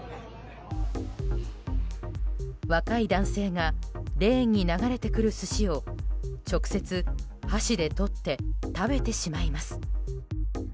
若い男性がレーンに流れてくる寿司を直接、箸で取って食べてしまいます。